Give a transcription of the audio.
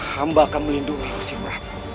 kambah akan melindungi kusti prabu